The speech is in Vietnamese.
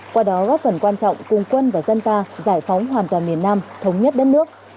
qua đó góp phần quan trọng cùng quân và dân ta giải phóng hoàn toàn miền nam thống nhất đất nước